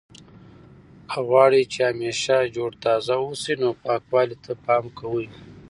که غواړئ چې همیشه جوړ تازه اوسئ نو پاکوالي ته پام کوئ.